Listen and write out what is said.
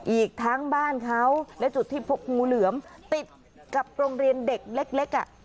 อีกทั้งบ้านเขาและจุดที่พบงูเหลือมติดกับโรงเรียนเด็กเล็ก